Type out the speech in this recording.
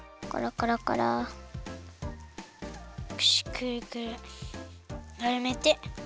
くるくるまるめて。